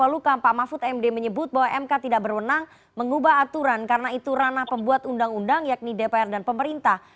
luka pak mahfud md menyebut bahwa mk tidak berwenang mengubah aturan karena itu ranah pembuat undang undang yakni dpr dan pemerintah